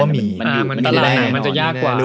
มันจะยากกว่า